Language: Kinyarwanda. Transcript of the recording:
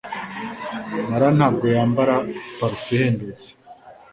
Mariya ntabwo yambara parufe ihendutse